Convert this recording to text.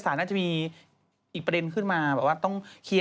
คำว่าสาวไส้กากินมันหมายถึงอะไรพี่